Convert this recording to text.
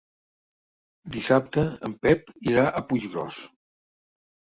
Dissabte en Pep irà a Puiggròs.